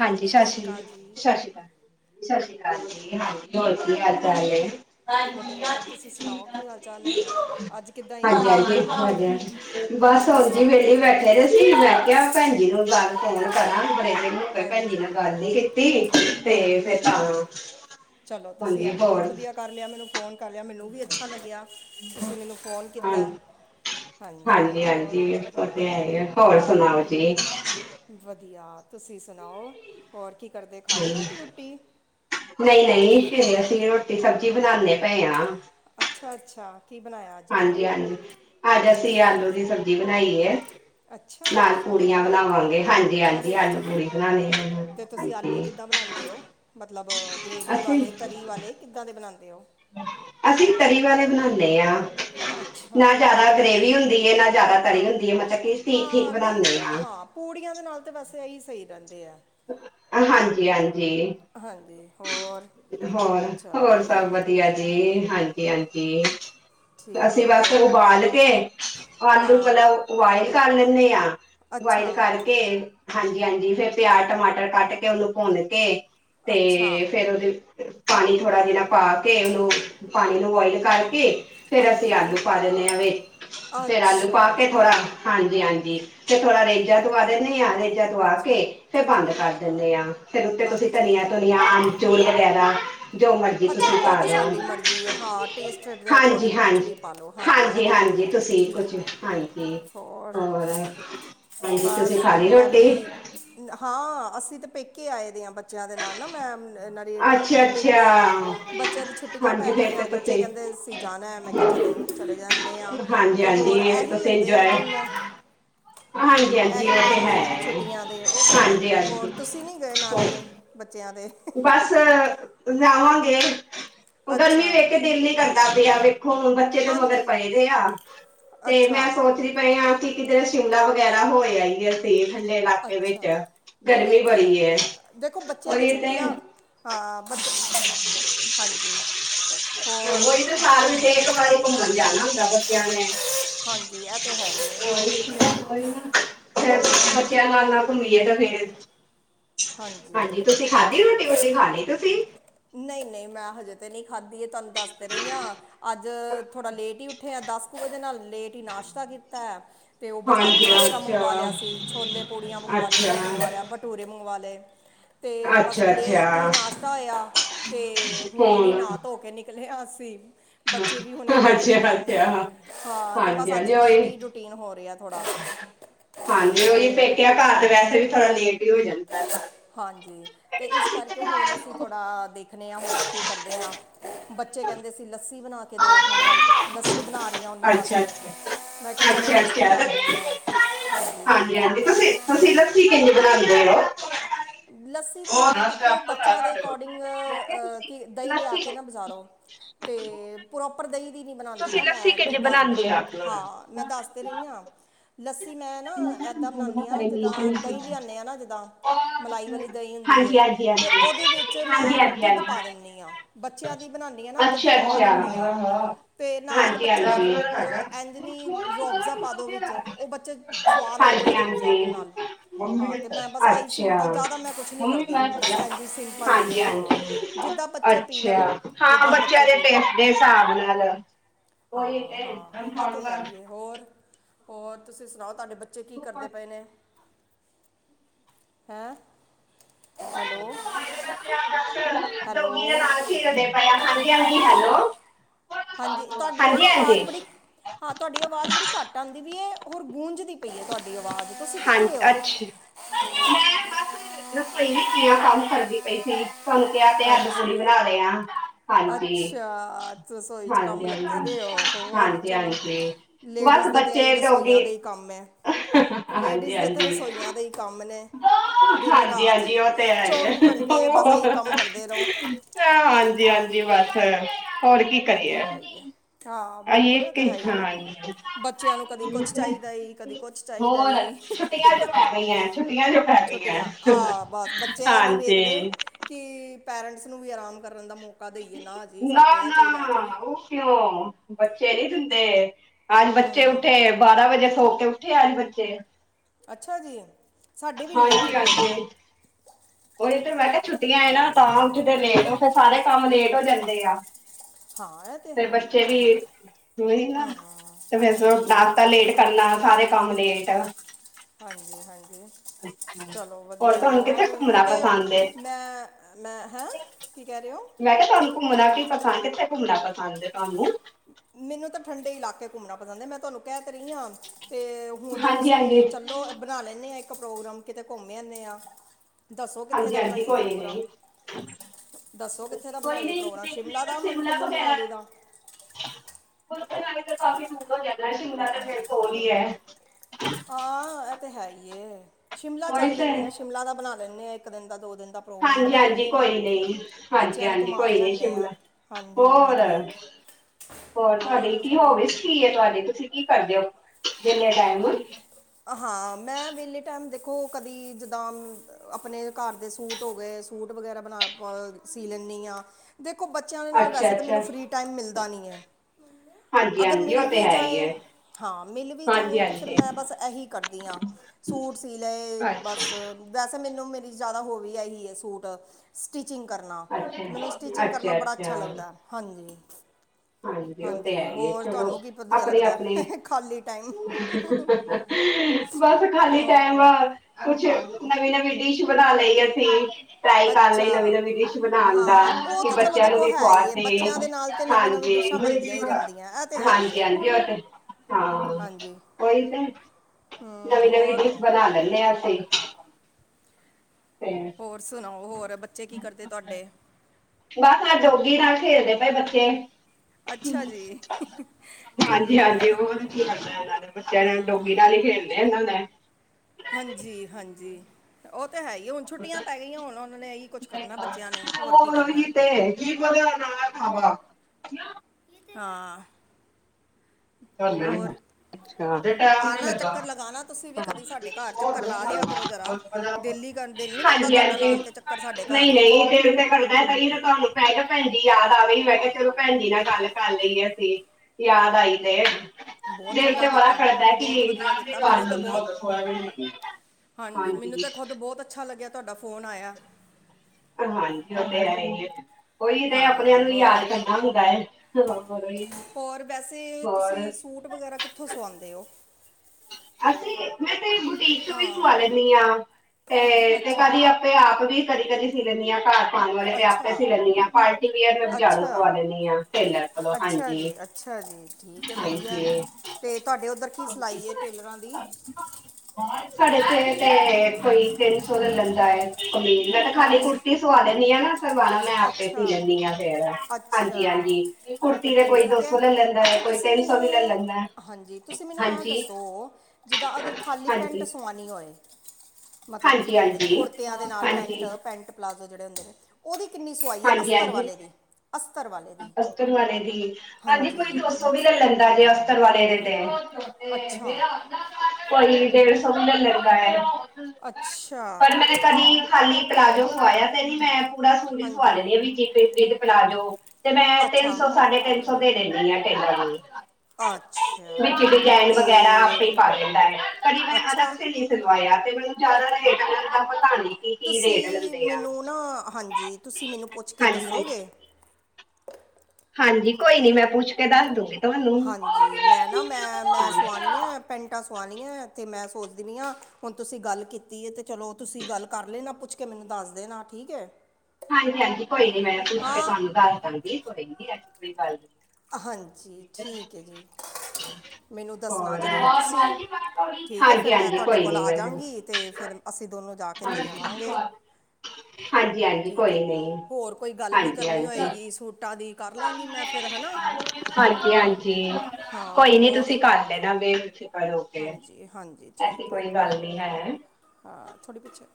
ਹਾਂਜੀ ਸਤਿ ਸ਼੍ਰੀ ਸ੍ਰੀੀ ਅਕਾਲ ਜੀ ਸਤਿ ਸ਼੍ਰੀ ਅਕਾਲ ਸਤਿ ਸ਼੍ਰੀ ਅਕਾਲ ਜੀ ਹਾਂਜੀ ਹੋਰ ਕੀ ਹਾਲ ਚਾਲਹੇ ਹਾਂਜੀ ਵਧੀਆ ਹਾਂਜੀ ਤੁਸੀਂ ਸੁਣਾਓ ਕੀ ਹਾਲ ਚਾਲ ਹੈ ਅੱਜ ਕਿੱਦਾਂ ਯਾਦ ਆ ਗਈ ਤੁਹਾਨੂੰ ਹਜੀ ਬਸ ਜ ਵੇਲੇ ਬੈਠੇ ਲੈ ਭੈਣਜੀ ਨੂੰ ਗ ਫੋਨ ਕਰਾਂ ਗਏ ਭੈਣ ਜੀ ਹਾਂਜੀ ਨਾਲ ਗੱਲ ਨੀ ਕੀਤੀ ਤੇ ਹਾਂਜੀ ਫਿਰ ਤਾਂ ਹਾਂਜੀ ਚਲੋ ਤੁਸੀਂ ਹਾਂਜੀ ਇਹ ਹੋਰ ਬਹੁਤ ਵਧੀਆ ਕਰ ਲਿਆ ਮੈਨੂੰ ਫ਼ੋਨ ਕਰ ਲਿਆ ਮੈਨੂੰ ਵੀ ਅੱਛਾ ਲੱਗਿਆ ਤੁਸੀਂ ਮੈਨੂੰ ਫੋਨ ਹਾਂ ਕੀਤਾ ਹਾਂਜੀ ਹਾਂਜੀ ਉਹ ਤੇ ਹੈ ਹੀ ਆ ਹੋ ਸੁਨਾ ਜ ਹਾਂਜੀ ਵਧੀਆ ਤੁਸੀਂ ਸੁਣਾਓ ਹੋਰ ਕੀ ਕਰਦੇ ਖਾ ਲਈ ਰੋਟੀ ਰੁਟੀ ਨਹੀਂ ਨਹੀਂ ਇਹ ਸੀ ਰੋਟੀ ਸਬਜ਼ੀ ਬਣਾਦੇ ਪਏ ਆਾਂ ਅੱਛਾ ਅੱਛਾ ਕੀ ਬਣਾਇਆ ਅੱਜ ਫਿਰ ਹਾਂਜੀ ਹਾਂਜੀ ਹਜ ਸੀ ਆਲੂ ਦੀ ਸਬਜ਼ ਜੀ ਬਣਾਈਏ ਅੱਛਾ ਵਾਹਜੀ ਹਾਂਜੀ ਵਾਹ ਹਾਂਜੀ ਅਰੇ ਆਲੂ ਵਾਹ ਪੂੜੀ ਬਣਾਉਣੀ ਹੈ ਤੇ ਤੁਸੀਂ ਆਲੂ ਹਾਂਜੀ ਕਿੱਦਾਂ ਬਣਾਉਦੇ ਹੋ ਮਤਲਬ ਗ੍ਰੇਵੀ ਅਸੀਂ ਵਾਲੇ ਤਰੀ ਵਾਲੇ ਕਿੱਦਾਂ ਦੇ ਬਣਾਉਂਦੇ ਉਹ ਨ ਨ ਆ ਨਾ ਜਿਆਦਾ ਗ੍ਰੇਵੀ ਹੁੰਦੀ ਹੈ ਨਾ ਜਿਆਦਾ ਤਰੀ ਹੁੰਦੀ ਹੈ ਮਤਲਬ ਕਿ ਠੀਕ ਠੀਕ ਹਾਂ ਬਣਾਉਦੇ ਹਾਂ ਸਹੀ ਸਹੀ ਰਹਿੰਦਾ ਹਾਂਜੀ ਹਾਂਜੀ ਹਾਂਜੀ ਹੋਰ ਹੋਰ ਹੋਰ ਸਭ ਵਧੀਆ ਜੀ ਹਾਂਜੀ ਹਾਂਜੀ ਠੀਕ ਅਸੀਂ ਹੈ ਬਸ ਹੋਰ ਉਬਾਲ ਕੇ ਆਲੂ ਹਾਂ ਚੰਨਾ ਉਬਾਲ ਕਰ ਲੈਂਦੇ ਹਾਂ ਬੁਈਲ ਅੱਛਾ ਕਰਕੇ ਹਾਂਜੀ ਹਾਂਜੀ ਫੇਰ ਪਿਆਜ਼ ਟਮਾਟਰ ਕੱਟ ਕੇ ਉਹਨੂੰ ਭੁੰਨ ਕੇ ਅੱਛਾ! ਉਹ ਪਾਣੀ ਥੋੜਾ ਜਿਣਾ ਪਾ ਕੇ ਉਹਨੂੰ ਪਾਣੀ ਨੂੰ ਬੋਇਲ ਕਰਕੇ ਫੇਰ ਅਸੀਂ ਹਾਂਜੀ ਆਲੂ ਪਾ ਦਿੰਦੇ ਹਾਂ ਵੀ ਫੇਰ ਆਲੂ ਪਾ ਅੱਛਾ ਕੇ ਜੀ ਥੋੜਾ ਹਾਂਜੀ! ਹਾਂਜੀ ਤੇ ਥੋੜਾ [unintelligible] ਆਦੇ ਜਦੋਂ ਆ ਅੱਛਾ ਕੇ ਫਿਰ ਬੰਦ ਕਰਦੇ ਧਨੀਆ ਫਿਰ ਉੱਤੇ ਤੁਸੀਂ ਅੱਛਾ ਧਨੀਆ ਧੁਨੀਆ ਚੂਲ ਵਗੈਰਾ ਜੋ ਮਰਜ਼ੀ ਅੱਛਾ ਤੁਸੀਂ ਉਹ ਪਾ ਤਾਂ ਦਿਓ ਸਾਡੀ ਮਰਜ਼ੀ ਹੈ ਹਾਂ ਟੇਸਟ ਦੇ ਹਾਂਜੀ ਅਕੋਰਡਿੰਗ ਕੁਛ ਹਾਂਜੀ ਵੀ ਪਾ ਲਉ ਹਾਂਜੀ ਇਹ ਤਾਂ ਹੈ ਹਾਂਜੀ ਹੀ ਹੈ ਤੁਸੀਂ ਕੁਛ ਠੀਕ ਹੈ ਹਾਂਜੀ ਹੋਰ ਹਾਂਜੀ ਤੁਸੀਂ ਬਸ ਖਾ ਲਈ ਮੈਂ ਵੀ ਰੋਟੀ ਹਾਂ ਹਾਂ ਅਸੀਂ ਤੇ ਪੇਕੇ ਆਏ ਦੇ ਹਾਂ ਬੱਚਿਆਂ ਦੇ ਨਾਲ ਨਾ ਮੈਂ ਇਹਨਾਂ ਅੱਛਾ ਅੱਛਾ ਪੇਕੇ ਬੱਚਿਆਂ ਦੀ ਛੁੱਟੀਆਂ ਹਾਂਜੀ ਪੈ ਫੇਰ ਤੇ ਗਈਆਂ ਬੱਚੇ ਤੁਸੀਂ ਕਹਿੰਦੇ ਅਸੀਂ ਜਾਣਾ ਹੈ ਮੈਂ ਕਿਹਾ ਚਲੋ ਚਲੇ ਜਾਂਦੇ ਹਾਂ ਹਾਂਜੀ ਤੇ ਹੋਰ ਹਾਂਜੀ ਇਹੀ ਤੁਸੀਂ ਹੁੰਦੇ ਆ ਇੰਜੋਏ ਦਿਨ ਹਾਂਜੀ ਹਾਂਜੀ ਐਹੀ ਉਹ ਤੇ ਦਿਨ ਨੇ ਹੈ ਛੁੱਟੀਆਂ ਦੇ ਉਹ ਤੇ ਹੈ ਹੀ ਹਾਂਜੀ ਹੈ ਹੋਰ ਹਾਂਜੀ ਤੁਸੀਂ ਨੀ ਗਏ ਓਕੇ ਨਾਨਕੇ ਬੱਚਿਆਂ ਦੇ ਬਸ ਜਾਵਾਂਗੇ ਗਰਮੀ ਅੱਛਾ ਵੇਖ ਕੇ ਦਿਲ ਨੀ ਕਰਦਾ ਪਿਆ ਵੇਖੋ ਹੁਣ ਬੱਚੇ ਤਾਂ ਮਗਰ ਹਾਂਜੀ ਪਏਦੇ ਆ ਤੇ ਮੈਂ ਅੱਛਾ ਸੋਚਦੀ ਪਈ ਹਾਂ ਕਿਧਰੇ ਸ਼ਿਮਲਾ ਵਗੈਰਾ ਹੋਇਆ ਤੇ ਇਥੇ ਇਲਾਕੇ ਵਿੱਚ ਅੱਛਾ ਨਹੀਂ ਗਰਮੀ ਬੜੀ ਹੈ ਛੂੱਟੀਆਂ ਹਾਂ ਹਾਂਜੀ ਹੋਰ ਸਾਰੇ ਘੁੰਮਣ ਜਾਣਾ ਹੁੰਦਾ ਬੱਚਿਆਂ ਨੇ ਹਾਂਜੀ ਇਹ ਤੇ ਹੈ ਹੀ ਹੈ। ਕੋਈ ਨਾ ਫਿਰ ਬੱਚਿਆਂ ਨਾਲ ਹੀ ਘੁੰਮਣ ਹੁੰਦਾ ਇਹ ਤਾਂ ਫੇਰ ਹਾਂਜੀ! ਰੋਟੀ ਵੋਟੀ ਖਾਣੀ ਤੁਸੀਂ ਨਹੀਂ ਨਹੀਂ ਮੈਂ ਹਜੇ ਤੇ ਨਹੀਂ ਖਾਧੀ ਹੈ ਤੁਹਾਨੂੰ ਦੱਸ ਤੇ ਰਹੀ ਹਾਂ ਅੱਜ ਥੋੜਾ ਲੇਟ ਹੀ ਉਠੀ ਆ ਦਸ ਕੁ ਵਜੇ ਨਾਲ ਲੇਟ ਹੀ ਨਾਸ਼ਤਾ ਕੀਤਾ ਹੈ! ਅਤੇ ਉਹ ਬਜ਼ਾਰੋਂ ਹਾਂਜੀ ਨਾਸ਼ਤਾ ਮੰਗਵਾ ਅੱਛਾ ਲਿਆ ਸੀ ਛੋਲੇ ਪੂੜੀਆਂ ਮੰਗਵਾ ਅੱਛਾ ਲਈਆਂ ਉਹ ਮੰਗਵਾ ਲਿਆ ਭਟੂਰੇ ਮੰਗਵਾ ਲਏ ਅਤੇ ਬਸ ਅੱਛਾ ਲੇਟ ਹੀ ਅੱਛਾ ਨਾਸ਼ਤਾ ਹੋਇਆ! ਤੇ ਹੁਣ ਹੀ ਨਾ ਧੋ ਕੇ ਨਿਕਲੇ ਹਾ ਅਸੀ ਅਤੇੇ ਬੱਚੇ ਵੀ ਹੁਣੇ ਨਹਾਤੇ ਨੇ ਅੱਛਾ-ਅੱਛਾ ਹਾਂ ਤੇ ਬਸ ਅੱਜ ਹਾਂਜੀ-ਹਾਂਜੀ ਉਹੀ ਲੇਟ ਹੀ ਰੂਟੀਨ ਹੋ ਰਿਹਾ ਥੋੜਾ ਹਾਂਜੀ ਉਹੀ ਤੇ ਪੇਕਿਆ ਘਰ ਤੇ ਵੈਸੇ ਵੀ ਥੋੜਾ ਲੇਟ ਹੀ ਹੋ ਜਾਂਦਾ ਹਾਂਜੀ ਤੇ ਇਸ ਕਰਕੇ ਹੁਣ ਅਸੀਂ ਥੋੜ੍ਹਾ ਦੇਖਣੇੇ ਹਾਂ ਹੁਣ ਕੀ ਕਰਦੇ ਹਾਂ ਬੱਚੇ ਕਹਿੰਦੇ ਸੀ ਲੱਸੀ ਬਣਾ ਦੋ ਹੁਣ ਮੈਂ ਲੱਸੀ ਬਣਾ ਰਹੀ ਹਾਂ ਉਹਨਾਂ ਵਾਸਤੇ ਅੱਛਾ-ਅੱਛਾ ਮੈਂ ਕਿਹਾ ਚਲੋ ਕੁਛ ਬਣਾ ਦਿੰਦੀ ਹਾਂ ਅੱਛਾ-ਅੱਛਾ ਹਾਂਜੀ ਸੀ ਕਿੰਨੂੰ ਬਣਾਉਂਦੇ ਹੋ [unintelligible] ਲੱਸੀ ਤੇ ਮੈਂ ਕਿਹਾ ਦੇਖੋ ਤੁਸੀਂ ਬੱਚਿਆਂ ਦੇ ਅਕੋਰਡਿੰਗ ਅਹ ਕਿ ਦਹੀਂ ਲਿਆ ਲੱਸੀ ਕੇ ਨਾ ਬਜ਼ਾਰੋ ਤੇ ਪ੍ਰੋਪਰ ਦਹੀਂ ਨ ਬਣਾਂਦੀ ਤੁਸੀਂ ਨਾ ਲੱਸੀ ਮੈਂ ਕਿੰਜ ਜਿੱਦਾਂ ਬਣਾਉਂਦੇ ਹੋ? ਹਾਂ ਮੈਂ ਦੱਸਦੇ ਰਹੀ ਹਾਂ ਲੱਸੀ ਮੈਂ ਨਾ ਏਦਾਂ ਬਣਾਉਦੀ ਹਾਂ ਜਿੱਦਾਂ ਦਹੀਂ ਲਿਆਦੇ ਆ ਨਾ ਜਿੱਦਾਂ [unintelligible] ਮਲਾਈ ਵਾਲੀ ਦਹੀਂ ਹੁੰਦੀ ਹੈ ਹਾਂਜੀ-ਹਾਂਜੀ-ਹਾਂਜੀ ਤੇ ਉਹਦੇ ਵਿੱਚ ਮੈਂ ਦੁੱਧ ਹਾਂਜੀ-ਹਾਂਜੀ-ਹਾਂਜੀ ਪਾ ਦਿੰਦੀ ਹਾਂ ਬੱਚਿਆਂ ਦੀ ਬਣਾਉਦੀ ਹਾਂ ਨਾ ਤੇ ਦੁੱਧ ਪਾ ਅੱਛਾ-ਅੱਛਾ ਦਿੰਦੀ ਹਾਂ ਤੇ ਨਾਲ ਬੱਚੇ ਨਾ ਹਾਂਜੀ-ਹਾਂਜੀ ਇਂਝ ਨਹੀਂ ਰੁਹਵਜ਼ਾ ਪਾ ਦਿਉ ਵਿੱਚ ਉਹ ਬੱਚੇ ਸਵਾਦ ਲੱਗਦੀ ਹਾਂਜੀ ਹੈ ਰੂਹਬਜ਼ਾ ਨਾਲ ਹਾਂ ਹਾਂਜੀ ਅਤੇ ਮੈਂ ਬਸ ਇਹੀ ਸਿੰ ਅੱਛਾ ਹਾਂਜੀ ਸਿੰਪਲ ਜੀ ਹਾਂਜੀ ਹਾਂ ਜਿੱਦਾਂ ਬੱਚੇ ਪੀ ਅੱਛਾ ਲੈਣ ਹਾਂ ਜਿੱਦਾਂ ਬੱਚਿਆਂ ਬੱਚੇ ਦੇ ਪੀ ਲੈਣ ਟਸਟ ਦੇ ਹਿਸਾਬ ਨਾਲ ਉਹੀ ਹਾਂ ਤੇ ਹਾਂ ਇਹ ਤੇ ਹੈ ਹੀ ਹੈ ਹੋਰ ਹੋਰ ਤੁਸੀਂ ਸੁਣਾਓ ਤੁਹਾਡੇ ਬੱਚੇ ਕੀ ਕਰਦੇ ਪਏ ਨੇ ਹੈਂ ੋਗੀ ਹੈਲੋ ਨਾਲ ਖੇਰਦੇ ਪਏ ਹਾਂਜੀ ਹਾਂਜੀ ਹੈਲੋ [unintelligible] ਹਾਂਜੀ ਤੁਹਾਡੀ ਨਾ ਹਾਂਜੀ ਆਵਾਜ਼ ਹਾਂਜੀ ਬੜੀ ਹਾਂ ਤੁਹਾਡੀ ਆਵਾਜ਼ ਬੜੀ ਘੱਟ ਆਉਂਦੀ ਪਈ ਇਹ ਹੋਰ ਗੂੰਜਦੀ ਪਈਏ ਤੁਹਾਡੀ ਉਹ ਹਾਂਜੀ ਅੱਛਾ ਮੈਂ ਬਸ ਦੱਸੋ ਹੀ ਨਹੀਂ ਕਿ ਆ ਕੰਮ [unintelligible] ਫਰਦੀ ਪਈ ਸੀਗੀ [unintelligible] ਪੰਕਿਆ ਤੇ ਅ ਅੱਛਾ ਪੂੜੀ ਬਣਾ ਦੇ ਹ ਹਾਂਜੀ ਅੱਛਾ ਰਸੋਈ 'ਚ ਕੰਮ ਹਾਂਜੀ ਲੱਗੇ ਹਾਂਜੀ ਦੇ ਹੋ ਹੋਰ ਹਾਂਜੀ ਚਲੋ ਹਾਂਜੀ ਬਸ ਲੇਡੀਜ਼ ਦੇ ਤਾਂ ਇਹੀ ਬੱਚੇ ਦੋਗੇ ਰਸੋਈਆਂ ਦੇ ਹੀ ਕੰਮ ਹੈ [unintelligible] ਲੇਡੀਜ਼ ਦੇ ਤੇ ਰਸੋਈਆਂ ਦਾ ਹੀ ਕੰਮ ਨੇ ਦਿਨ ਹਾਂਜੀ ਰਾਤ ਹਾਂਜੀ ਉਹ ਤੇ ਹੈ ਘੰਟੇ ਬਸ ਇਹੀ ਕੰਮ ਕਰਦੇ ਰਹੋ ਆ ਹਾਂਜੀ ਹਾਂਜੀ ਬਸ ਹਾਂ ਇਹ ਤੇ ਹੈ ਹੀ ਆ ਹਾਂ ਆਈ ਬਿਲਕੁਲ ਇੱਕ ਤੇ ਹੈ ਹੀ ਹਾਂਜੀ ਬੱਚਿਆਂ ਨੂੰ ਕਦੇ ਕੁਛ ਚਾਹੀਦਾ ਕਦੀ ਕੁਛ ਚਾਹੀਦਾ ਹੋਰ ਛੁੱਟੀਆਂ ਜੋ ਪੈ ਗਈਆਂ ਛੁੱਟੀਆਂ ਜੋ ਪੈ ਗਈਆਂ ਛੁੱਟੀਆਂ ਆਹ ਬਸ ਬੱਚੇ ਐ ਨਹੀਂੀ ਵੇਖਦੇ ਹਾਂਜੀ ਕਿ ਪੈਰੈਂਟਸ ਨੂੰ ਵੀ ਆਰਾਮ ਕਰਨ ਦਾ ਮੌਕਾ ਕਾ ਦੇਈਏ ਨਾ ਜੀ ਸਾਨੂੰ ਹਾਂ ਉਹ ਕਿਉਂ ਬੱਚੇ। ਤੇ। ਅੱਜ ਬੱਚੇ ਹੂੰ ਉੱਠੇ ਬਾਰਾਂ ਵਜੇ ਸੋ ਕੇ ਉਠ ਕਠੇ ਆਏ ਬੱਚੇ। ਅੱਛਾ ਜੀ। ਸਾਡੇ ਵੀ ਹਾਂਜੀ ਲੇਟ ਹੀ ਉੱਠਦੇ ਪਏ ਨੇ ਹਾਂਜੀ। ਤੇ ਮੈਂ ਕਿਹਾ ਛੁੱਟੀਆਂ ਐ ਨਾ ਤਾਂ ਉਠਦੇ ਲੇਟ ਹੋ ਫਿਰ ਸਾਰੇ ਕੰਮ ਲੇਟ ਹੋ ਜਾਂਦੇ ਆ। ਹਾਂ ਇਹ ਤੇ ਹੈ ਹੀ ਹੈ ਬੱਚੇ ਵੀ ਫਿਰ ਨਈ ਨਾ ਹੂੰ ਹੂੰ, ਤੇ ਫੇਰ ਹਾਂਜੀ ਨਾਸ਼ਤਾ ਲੇਟ ਕਰਨਾ ਸਾਰੇ ਕੰਮ ਲੇਟ। [unintelligible] ਹਾਂਜੀ ਹਾਂਜੀ। ਚਲੋ ਵਧੀਆ ਤੁਹਾਨੂੰ ਕਿੱਥੇ ਹੋਰ ਘੁੰਮਣਾ ਕਿਤੇ ਪਸੰਦ ਏ ਮੈਂ ਮੈਂ ਹੈਂ ਕੀ ਕਹਿ ਰਹੇ ਹੋ? ਕਿਥੇ ਘੁੰਮਣਾ ਪਸੰਦ ਏ? ਮੈਨੂੰ ਤਾਂ [unintelligible] ਠੰਡੇ ਇਲਾਕੇ ਘੁੰਮਣਾ ਪਸੰਦ ਏ ਮੈਂ ਤੁਹਾਨੂੰ ਕਿਹ ਰਹੀ ਹਾਂ। ਤੇ ਹੁਣ ਹਾਂਜੀ ਤੁਸੀ ਹਾਂਜੀ ਚਲੋ ਬਣਾ ਲੈਂਨੇ ਆ ਪ੍ਰੋਗਰਾਮ ਕਿਤੇ ਘੁੰਮ ਆਨੇ ਆਂ। ਦੱਸੋ ਕਿੱਥੇ ਹਾਂਜੀ ਦਾ ਹਾਂਜੀ ਬਣਾਈਏ ਕੋਈ ਪ੍ਰੋਗਰਾਮ ਨਹੀਂ ਦੱਸੋ ਕਿੱਥੇ ਦਾ ਕੋਈ ਬਣਾਈਏ ਨਹੀਂ ਪ੍ਰੋਗਰਾਮ ਦੇਖ ਸ਼ਿਮਲਾ ਲਈ ਦਾ ਸ਼ਿਮਲਾ ਕੁੱਲੂ ਮਨਾਲੀ ਦਾ? ਕੁੱਲੂ ਮਨਾਲੀ ਤਾਂ ਕਾਫੀ ਦੂਰ ਹੋ ਜਾਂਦਾ ਸ਼ਿਮਲਾ ਤੇ ਫੇਰ ਕੋਲ ਹੀ ਹੈ। ਹਾਂ ਇਹ ਤੇ ਹੈ ਹੀ ਏ। ਸ਼ਿਮਲਾ ਚੱਲ ਉਹੀ ਲੈਂਨੇ ਆ ਤੇ ਸ਼ਿਮਲਾ ਦਾ ਬਣਾ ਲੇਨੇ ਆ ਇੱਕ ਦਿਨ ਦਾ ਦੋ ਦਿਨ ਦਾ ਪ੍ਰੋਗਰਾਮ ਹਾਂਜੀ ਬਣਾ ਹਾਂਜੀ ਲੈਨੇ ਆ ਕੋਈ ਨਹੀਂ ਹਾਂਜੀ ਬੱਚਿਆਂ ਨੂੰ ਹਾਂਜੀ ਘੁਮਾ ਕੋਈ ਨੀ ਲਿਆਨੇ ਸ਼ਿਮਲਾ ਆ ਹਾਂਜੀ ਹੋਰ ਹਾਂਜੀ ਹੋਰ ਤੁਹਾਡੇ ਕੀ ਹੋਬੀਸ ਕੀ ਹੈ? ਤੁਹਾਡੀ ਤੁਸੀ ਕੀ ਕਰਦੇ ਹੋ? ਵਿਹਲੇ ਟਾਈਮ ਹਾਂ ਮੈਂ ਵਿਹਲੇ ਟਾਈਮ ਦੇ ਦੇਖੋ ਕਦੀ ਜਿੱਦਾਂ ਆਪਣੇ ਘਰ ਦੇ ਸੂਟ ਹੋ ਗਏ ਸੂਟ ਵਗੈਰਾ ਬਣਾ ਅ ਸੀ ਲੈਂਨੀ ਹਾਂ। ਦੇਖੋ ਬੱਚਿਆਂ ਦੇ ਨਾਲ ਅੱਛਾ ਵੈਸੇ ਤਾਂ ਅੱਛਾ ਮੈਨੂੰ ਫਰੀ ਟਾਈਮ ਮਿਲਦਾ ਨਹੀਂ ਹੈ ਹਾਂਜੀ ਅਗਰ ਹਾਂਜੀ ਮਿਲ ਉਹ ਤੇ ਵੀ ਹੈ ਹੀ ਜਾਏ ਹੈ ਹਾਂ ਮਿਲ ਵੀ ਹਾਂਜੀ ਜਾਏ ਤੇ ਫੇਰ ਹਾਂਜੀ ਮੈਂ ਬਸ ਏਹੀ ਕਰਦੀ ਆਂ, ਸੂਟ ਸੀ ਲਏ ਅੱਛਾ ਬਸ ਵੈਸੇ ਮੈਨੂੰ ਮੇਰੀ ਜਿਆਦਾ ਹੋਵੀ ਐ ਹੀ ਐ, ਸੂਟ ਸਟਿਚ ਚਿੰਗ ਕਰਨਾ। ਅੱਛਾ ਮੈਨੂੰ ਸਟੀਚਿੰਗ ਕਰਨਾ ਬੜਾ ਅੱਛਾ ਲੱਗਦਾ ਐ। ਹਾਂਜੀ। ਉਹ ਤੇ ਹਾਂਜੀ ਹੈ ਹੀ ਹੈ ਹੋਰ ਚਲੋ ਤੁਆਨੂੰ ਕੀ ਵਧੀਆ ਆਪਣੇ ਲੱਗਦੈ, ਆਪਣੇ ਖਾਲੀ ਟਾਈਮ। ਬਸ ਖਾਲੀ ਉਹ ਟਾਈਮ ਕੁਛ ਨਵੀਂ ਨਵੀਂ ਡਿਸ਼ ਬਣਾ ਲਈ ਅਸੀ। ਟਰਾਈ ਕਰ ਲਈ ਨਵੀਂ ਅੱਛਾ ਨਵੀਂ ਡਿਸ਼ ਬਨਾਣ ਦਾ ਹਾਂ ਉਹ ਤੇ ਤਾਂ ਚਲੋ ਬੱਚਿਆਂ ਨੂੰ ਦੇਖੋ ਵੀ ਹੈ ਖਵਾ ਹੀ ਹੈ ਤੀ, ਬੱਚਿਆਂ ਦੇ ਨਾਲ ਤੇ ਨਵੀਂ ਹਾਂਜੀ। ਨਵੀਂ ਜੀ। ਡਿਸ਼ਾਂ ਬਣਦੀਆਂ ਹਾਂਜੀ ਹੀ ਰਹਿੰਦੀਆਂ ਇਹ ਤੇ ਹੈ ਹੀ ਹੈ ਹਾਂਜੀ ਉਹ ਤੇ। ਹਾਂ ਹਾਂਜੀ ਓਹੀ ਤੇ ਹਮ ਨਵੀਂ ਨਵੀਂ ਹੋਰ ਡਿਸ਼ ਬਣਾ ਲੈਂਨੇ ਆ ਅਸੀ। ਹੋਰ ਸੁਣਾਓ। ਹੋਰ ਅ ਬੱਚੇ ਕੀ ਕਰਦੇ ਤੁਆਡੇ? ਬਸ ਆ ਡੋਗੀ ਨਾਲ ਖੇਲਦੇ ਪਏ ਬੱਚੇ। ਅੱਛਾ ਜੀ ਹਾਂਜੀ, ਠੀਕ ਹੈ ਹਾਂਜੀ ਹੋਰ ਕੀ ਕਰਨਾ ਇਹਨਾਂ ਨੇ ਬੱਚਿਆਂ ਨਾਲ ਡੋਗੀ ਨਾਲ ਹੀ ਖੇਡਣੈ ਇਹਨਾਂ ਨੇ। ਹਾਂਜੀ। ਹਾਂਜੀ ਓ ਤੇ ਹੈ ਹੀ ਹੈ, ਹੁਣ ਛੁੱਟੀਆਂ ਪੈ ਗਈਆਂ ਹੁਣ ਉਹਨਾਂ ਨੇ ਇਹੀ ਕੁਝ ਕਰਨਾ ਬੱਚਿਆਂ ਨੇ ਕੀ ਹੋਰ ਕਰਨਾ ਓਹੀ ਹੈ। ਤੇ। [unintelligible] ਹਾਂ। ਹਾਂਜੀ ਹੋਰ ਆਣਾ ਚੱਕਰ ਲਗਾਣਾ ਤੁਸੀਂ ਵੀ ਕਦੀ ਸਾਡੇ ਘਰ ਚੱਕਰ ਲਾ ਲਿਆ ਕਰੋ ਜਰਾ ਦਿਲ ਹੀ ਕਰ ਦਿਲ ਨਹੀਂ ਕਰਦਾ ਤੁਹਾਡਾ ਹਾਂਜੀ, ਲਾਣ ਤੇ ਚੱਕਰ ਸਾਡੇ ਨਹੀਂ ਘਰ ਨਹੀਂ ਦਿਲ ਤੇ ਕਰਦਾ ਐ। ਤਾ ਈ ਤੇ ਤਾਨੂੰ ਮੈਂ ਕਿਆ, ਭੈਣ ਜੀ ਯਾਦ ਆ ਗਈ, ਮੈਂ ਕਿਆ ਚਲੋ ਭੈਣਜੀ ਨਾ ਗੱਲ ਕਰ ਲਈਏ ਫੇਰ। ਯਾਦ ਆਈ। ਦੇ ਬਹੁਤ ਦਿਲ ਚੰਗਾ ਤੇ ਬਾ ਕੀਤਾ ਕਰਦਾ ਬਹੁਤ ਕਿ ਵਧੀਆ ਕੀਤਾ [unintelligible] ਮੈਨੂੰ ਤਾਂ ਬਹੁਤ ਮੈਨੂੰ ਹਾਂਜੀ। ਤਾਂ ਖੁਦ ਬਹੁਤ ਅੱਛਾ ਲੱਗਿਆ ਤੁਹਾਡਾ ਫੋਨ ਆਇਆ। ਹਾਂਜੀ ਓ ਤੇ ਹੈ ਈ ਐ। ਹਾਂ ਹੋਰ। ਹੋਰ ਹੋਰ ਵੈਸੇ ਤੁਸੀਂ ਹੋਰ ਸੂਟ ਵਗੈਰਾ ਕਿੱਥੋਂ ਸਵਾਂਦੇ ਓ। ਅਸੀਂ, ਮੈਂ ਤੇ ਬੁਟੀਕ ਚ ਵੀ ਹਾਂ ਸੁਆ ਲੈਂਨੀ ਆਂ, ਤੇ ਤੇ ਅੱਛਾ ਕਦੀ ਆਪੇ ਆਪ ਵੀ ਕਦੀ ਕਦੀ ਸੀ ਲੈਂਨੀ ਆਂ। ਘਰ ਪਾਣ ਵਾਲੇ ਤੇ ਆਪੇ ਅੱਛਾ ਸੀ ਲੈਨੀ ਆ, ਪਾਰਟੀ ਵੇਅਰ ਮੈਂ ਬਜ਼ਾਰੋਂ ਅੱਛਾ ਸਵਾ ਲੈਂਨੀ ਆਂ, ਟੇਲਰ ਕੋਲੋਂ, ਅੱਛਾ ਹਾਂਜੀ। ਜੀ ਅੱਛਾ ਜੀ ਠੀਕ ਐ, ਵਧੀਐ। ਹਾਂਜੀ। ਤੇ ਤੁਹਾਡੇ ਓਧਰ ਕੀ ਸਿਲਾਈ ਐ, ਟੇਲਰਾਂ ਦੀ? ਸਾਡੇ ਤੇ ਤੇ ਕੋਈ ਤਿੰਨ ਸੌ ਦਾ ਲੈਂਦਾ ਐ, ਕਮੀਜ਼ ਦਾ ਤੇ ਖਾਲੀ ਕੁੁੜਤੀ ਸਵਾ ਲੈਨੀ ਆ ਨਾ। ਸਲਵਾਰਾਂ ਮੈਂ ਆਪੇ ਸੀ ਅੱਛਾ ਲੈਦੀਂ ਆਂ ਫੇਰ। ਹਾਂਜੀ- ਅੱਛਾ ਹਾਂਜੀ ਕੁੜਤੀ ਤੇ ਕੋਈ ਦੋ ਠੀਕ ਹੈ ਸੋ ਲੈ ਲੈਂਦਾ ਐ। ਅੱਛਾ ਤੁਸੀਂ ਮੈਨੂੰ, ਹਾਂਜੀ ਤੁਸੀਂ ਮੈਨੂੰ ਐਂ ਹਾਂਜੀ ਦੱਸੋ, ਜਿੱਦਾਂ ਅਗਰ ਖਾਲੀ ਪੈਂਟ ਹਾਂਜੀ ਸਵਾਣੀ ਹੋਵੇ। ਏ ਮਤਲਬ ਹਾਂਜੀ ਹਾਂਜੀ ਕੁੜਤਿਆਂ ਦੇ ਨਾਲ ਪੈਂਟ, ਹਾਂਜੀ ਪੈਂਟ ਪਲਾਜ਼ੋ ਜਿਹੜੇ ਹੁੰਦੇ ਨੇ ਉਹਦੀ ਕਿੰਨੀ ਸੁਆਈ ਹੈ। ਹਾਂਜੀ ਅਸਤਰ ਹਾਂਜੀ। ਵਾਲੇ ਦੀ ਅਸਤਰ ਵਾਲੇ ਦੀ ਅਸਤਰ ਵਾਲੇ ਦੀ ਹਾਂਜੀ ਕੋਈ ਦੋ ਸੋ ਵੀ ਲੈ ਲੈਂਦਾ। ਜੇ ਕਰਵਾਲੇ ਦੇ ਤੇ ਅੱਛਾ ਕੋਈ ਵੀ। ਡੇਢ ਸੌ ਵੀ ਲੈ ਲੈਂਦਾ ਅੱਛਾ ਪਰ ਮੈਂ ਕਦੀ ਖਾਲੀ। ਪਲਾਜੋ ਪਾਇਆ ਤੇ, ਨੀ ਮੈਂ ਪੂਰਾ ਸੁਟ ਸਿਲਵਾ ਹਾਂਜੀ ਲੈਂਦੀਆਂ ਆ, ਵਿਚ ਹੀ ਪਲਾਜੋ। ਤੇ ਮੈਂ ਤਿੰਨ ਅੱਛਾ ਸੌ, ਸਾਢੇ ਤਿੰਨ ਸੌ ਦੇ ਦਿੰਦੀ ਆ। [inaudible] ਅੱਛਾ ਵਿੱਚ ਡਿਜ਼ਾਇਨ ਵਗੈਰਾ ਅਤੇ ਆਪੇ ਹੀ ਪਾ ਦਿੰਦਾ ਹੈ, ਕਦੀ ਮੈਂ ਅੱਛਾ ਅਲਗ ਸੇ ਨਹੀਂ ਸਿਲਵਾਇਆ। ਮੈਨੂੰ ਜ਼ਿਆਦਾ ਰੇਟ ਦਾ ਤਾ ਪਤਾ ਨਹੀਂ। ਤੁਸੀਂ ਮੈਨੂੰ, ਨਾ ਹਾਂਜੀ? ਤੁਸੀਂ ਮੈਨੂੰ ਪੁੱਛ ਕੇ ਹਾਂਜੀ। ਦੱਸੋਗੇ? ਹਾਂਜੀ, ਕੋਈ ਨੀ। ਮੈਂ ਪੁੱਛ ਕੇ ਦੱਸ ਦੂੰਗੀ। ਤੁਹਾਨੂੰ। ਹਾਂਜੀ, ਮੈਂ ਨਾ ਹਾਂ, ਮੈਂ-ਮੈਂ ਸੁਆਣੀ ਆ ਪੈਂਟਾਂ। ਤੇ ਮੈਂ ਸੋਚਦੀ ਵੀ ਹਾਂ ਹੁਣ ਤੁਸੀਂ ਗੱਲ ਕੀਤੀ ਹੈ, ਤੇ ਚਲੋ ਤੁਸੀਂ ਗੱਲ ਕਰ ਲੈਣਾ, ਪੁੱਛ ਕੇ ਮੈਨੂੰ ਦੱਸ ਦੇਣਾ। ਠੀਕ ਹੈ। ਹਾਂਜੀ, ਹਾਂਜੀ। ਕੋਈ ਨੀ, ਮੈਂ ਪੁੱਛ ਕੇ ਹਾਂ ਤੁਵਾਨੁ ਦੱਸ ਦਾਗੀ। ਕੋਈ ਨੀ ਕੋਈ ਗੱਲ ਹਾਂਜੀ, ਨੀ। ਠੀਕ ਹੈ ਜੀ। ਮੈ ਹੋਰ ਹਾਂਜੀ ਹਾਂਜੀ ਕੋਈ ਨੀ ਮੈਂ ਹਾਂਜੀ ਹਾਂਜੀ ਹਾਂਜੀ ਠੀਕ ਹੈ। ਕੋਈ ਨੀ। ਹੋਰ ਕੋਈ ਗੱਲ ਵੀ ਹਾਂਜੀ ਕਰਨੀ ਹਾਂਜੀ ਹੋਏਗੀ ਸੂਟਾਂ ਦੀ, ਕਰ ਲਾਂਗੀ ਮੈਂ ਫੇਰ। ਹਨਾ? ਹਾਂਜੀ, ਹਾਂਜੀ। ਕੋਈ ਹਾਂ ਨੀ, ਹੋਰ ਤੁਸੀਂ ਕਰ ਲੈਣਾ ਬੇ ਹਾਂਜੀ ਹਾਂਜੀ ਐਸੀ ਠੀਕ ਹੈ ਕੋਈ ਗੱਲ ਨੀ ਹੈ। ਹਾਂ, ਥੋੜ੍ਹੇ ਪਿੱਛੇ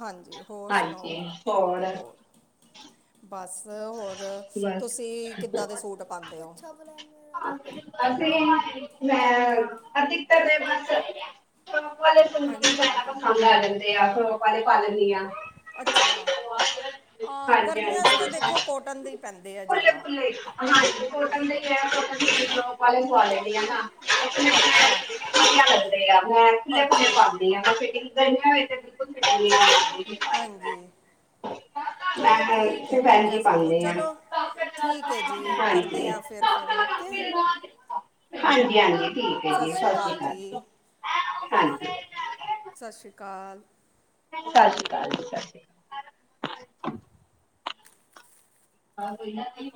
ਹਾਂਜੀ, ਹੋਰ ਸੁਣਾਓ। ਹੋਰ ਬਸ? ਹੋਰ? ਬਸ ਅਸੀਂ ਮੈਂ ਹਾਂਜੀ [unintelligible] [unintelligible] ਅੱਛਾ, ਅ ਹਾਂਜੀ ਗ਼ਰਮੀਆਂ ਵਾਸਤੇ ਹਾਂਜੀ ਦੇਖੋ ਕੋਟਨ ਦੇ ਪੈਂਦੇ ਆ ਖੁੱਲੇ ਜ਼ਿਆਦਾ। ਖੁੱਲੇ ਹਾਂਜੀ [unintelligible] ਅੱਛਾ [unintelligible] ਅੱਛਾ [unintelligible] ਮੈਂ। ਹਾਂਜੀ, ਮੈਂ ਚਲੋ ਠੀਕ ਹੈ। ਸਿਰਫ ਇੰਜ ਵਧੀਆ। ਹੀ ਸਗੋਂ ਪਾਉਂਦੀ ਹਾਂ। ਚਲੋ, ਠੀਕ ਹੈ ਜੀ, ਕਰਦੇ ਹਾਂਜੀ। ਆ ਫਿਰ ਫੋਨ ਓਕੇ। ਹਾਂਜੀ, ਹਾਂਜੀ। ਸਤਿ ਸ਼੍ਰੀ ਅਕਾਲ ਜੀ, ਹਾਂਜੀ ਸਤਿ ਸ੍ਰੀ ਅਕਾਲ। ਸਤਿ ਸ਼੍ਰੀ ਅਕਾਲ ਜੀ, ਸਤਿ ਸ਼੍ਰੀ ਅਕਾਲ। [inaudible] ਹਾਂਜੀ